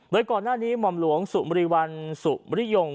โดยก่อนหน้านี้หม่อมหลวงสุมริวัลสุมริยง